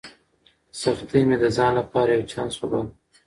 سختۍ مې د ځان لپاره یو چانس وباله.